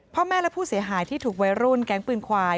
พ่อแม่และผู้เสียหายที่ถูกวัยรุ่นแก๊งปืนควาย